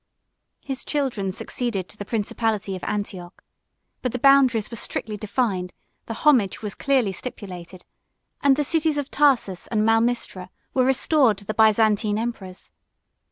His children succeeded to the principality of Antioch; but the boundaries were strictly defined, the homage was clearly stipulated, and the cities of Tarsus and Malmistra were restored to the Byzantine emperors.